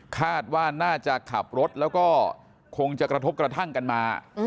คาดว่าน่าจะขับรถแล้วก็คงจะกระทบกระทั่งกันมา